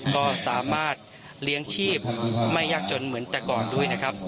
ก็สามารถเลี้ยงชีพไม่ยากจนเหมือนแต่ก่อนด้วยนะครับ